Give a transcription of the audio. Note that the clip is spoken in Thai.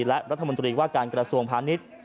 และรัฐมนตรีว่าการกระทรวงพาณิชย์